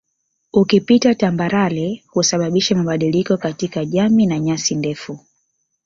Ukipita tambarare husababisha mabadiliko katika jami na nyasi ndefu